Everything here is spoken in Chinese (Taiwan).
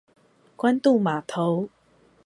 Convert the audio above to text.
關渡碼頭